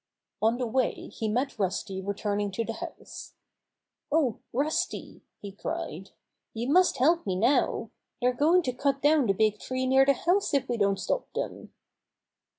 On the way he met Rusty returning to the house. ^^Oh, Rusty," he cried, "you must help me now. They're going to cut down the big tree near the house if we don't stop them."